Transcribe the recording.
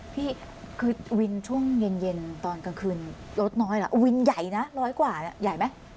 พี่คือวินช่วงเย็นตอนกลางคืนรถน้อยล่ะวินใหญ่นะร้อยกว่าใหญ่ไหม